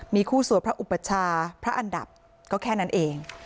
มีคู่สวดพระอุปชาพระอันดับก็แค่นั้นเอง